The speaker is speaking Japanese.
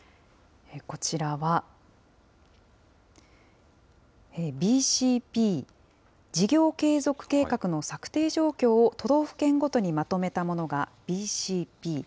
こちらは、ＢＣＰ・事業継続計画の策定状況を都道府県ごとにまとめたものがＢＣＰ。